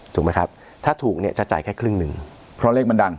ถูกไหมครับถ้าถูกเนี่ยจะจ่ายแค่ครึ่งหนึ่งเพราะเลขมันดัง